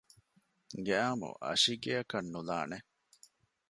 ގައިމު އަށިގެއަކަށް ނުލާނެ